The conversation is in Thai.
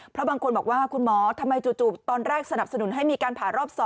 เพราะบางคนบอกว่าคุณหมอทำไมจู่ตอนแรกสนับสนุนให้มีการผ่ารอบ๒